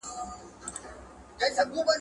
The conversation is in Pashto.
اوس آخره زمانه ده په انسان اعتبار نسته `